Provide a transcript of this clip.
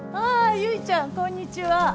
ああ結ちゃんこんにちは。